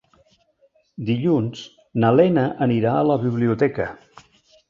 Dilluns na Lena anirà a la biblioteca.